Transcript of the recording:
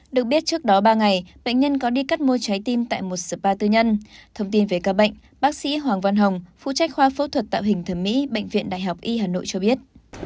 được biết trước đó ba ngày bệnh nhân có đi cắt mua trái tim tại một spa tư nhân thông tin về ca bệnh bác sĩ hoàng văn hồng phụ trách khoa phẫu thuật tạo hình thẩm mỹ bệnh viện đại học y hà nội cho biết